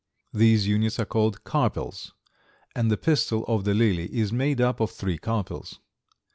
These units are called carpels, and the pistil of the lily is made up of three carpels.